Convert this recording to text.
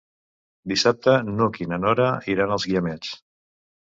Dissabte n'Hug i na Nora iran als Guiamets.